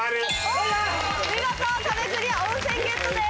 見事壁クリア温泉ゲットです。